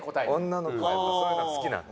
女の子はやっぱそういうの好きなんだ。